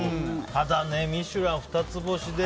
ただね、「ミシュラン」二つ星で